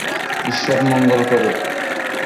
ঈশ্বর মঙ্গল করুক।